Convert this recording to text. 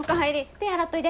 手洗っといで。